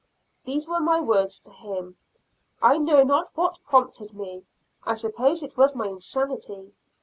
These were my words to him; I know not what prompted me; I suppose it was my insanity.